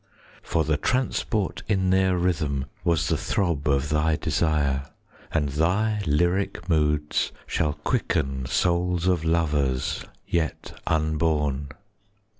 For the transport in their rhythm Was the throb of thy desire, And thy lyric moods shall quicken 35 Souls of lovers yet unborn.